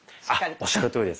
おっしゃるとおりです。